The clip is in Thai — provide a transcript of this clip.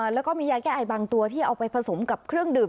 แล้วก็มียาแก้ไอบางตัวที่เอาไปผสมกับเครื่องดื่ม